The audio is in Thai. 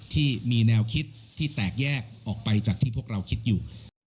ที่มีแนวคิดที่แตกแยกออกไปจากที่พวกเราคิดอยู่